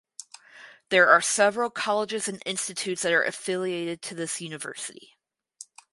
There are several colleges and institutes that are affiliated to this university.